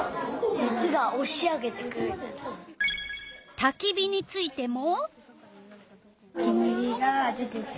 たき火についても。